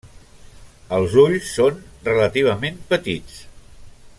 Els ulls són relativament petits.